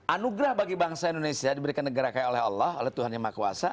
anugerah bagi bangsa indonesia diberikan negara kaya oleh allah oleh tuhan yang maha kuasa